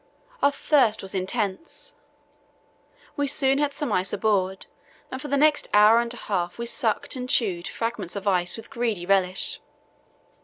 Our thirst was intense. We soon had some ice aboard, and for the next hour and a half we sucked and chewed fragments of ice with greedy relish.